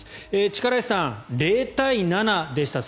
力石さん０対７でした、